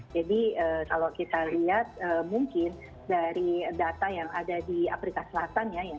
jadi kalau kita lihat mungkin dari data yang ada di amerika selatan